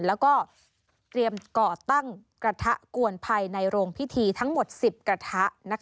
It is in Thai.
แล้วก็เตรียมก่อตั้งกระทะกวนภายในโรงพิธีทั้งหมด๑๐กระทะ